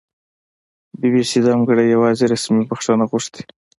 بي بي سي دمګړۍ یواځې رسمي بښنه غوښتې